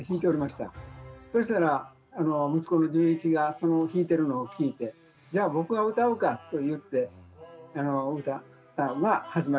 そしたら息子の潤一がその弾いてるのを聴いてじゃあ僕が歌おうかといって歌ったのが始まりなんです。